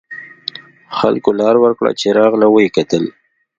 خلکو لار ورکړه چې راغله و یې کتل.